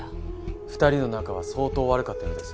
２人の仲は相当悪かったようです。